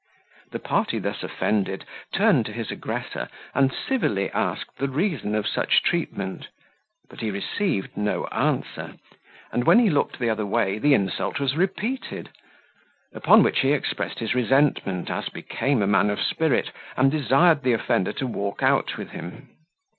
The party thus offended turned to his aggressor, and civilly asked the reason of such treatment: but he received no answer; and when he looked the other way, the insult was repeated: upon which he expressed his resentment as became a man of spirit, and desired the offender to walk out with him.